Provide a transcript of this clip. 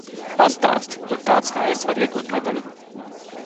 Pastāsti, kur tāds kā es var iegūt medaļu?